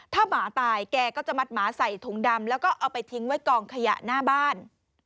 ถ้าหมาตายแกก็จะมัดหมาใส่ถุงดำแล้วก็เอาไปทิ้งไว้กองขยะหน้าบ้าน